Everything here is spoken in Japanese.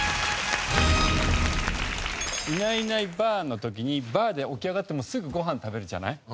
「いないいないばぁ」の時に「ばぁ」で起き上がってもうすぐご飯食べるじゃない。